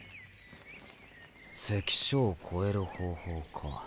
関所を越える方法か。